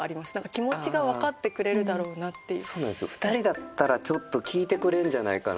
気持ちがわかってくれるだろうなっていう。